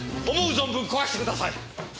存分壊してください！え？